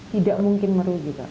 tidak mungkin merugi pak